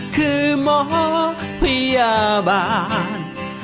คือหมอพยาบาล